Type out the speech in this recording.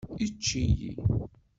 Ečč-iyi!